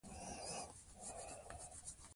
مقالې د غازي پر ژوند او فکر ليکل شوې وې.